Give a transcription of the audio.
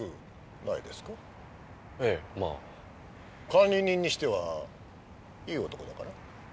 管理人にしてはいい男だから？